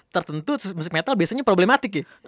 tertentu musik metal biasanya problematik ya